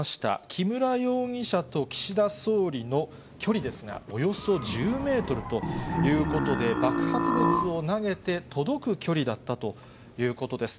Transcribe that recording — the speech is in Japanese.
木村容疑者と岸田総理の距離ですが、およそ１０メートルということで、爆発物を投げて届く距離だったということです。